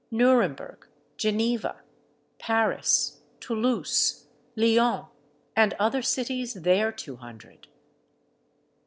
Nuremberg, Geneva, Paris, Toulouse, Lyons, and other cities, their two hundred?